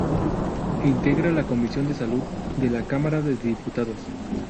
Integra la Comisión de Salud de la Cámara de Diputados.